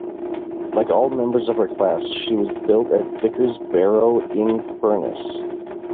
Like all members of her class, she was built at Vickers Barrow-in-Furness.